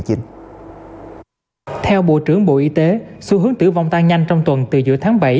theo bộ trưởng bộ y tế xu hướng tử vong tăng nhanh trong tuần từ giữa tháng bảy